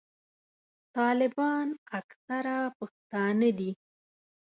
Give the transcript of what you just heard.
طالبان اکثره پښتانه دي.